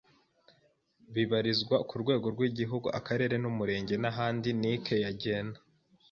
bibarizwa ku rwego rw’Igihugu, Akarere n’Umurenge n’ahandi NIC yagena.